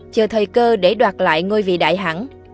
chờ thời cơ để đoạt lại ngôi vị đại hẳn